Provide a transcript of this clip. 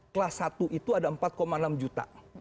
kelas satu itu ada empat enam juta